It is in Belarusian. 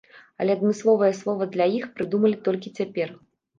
Але адмысловае слова для іх прыдумалі толькі цяпер.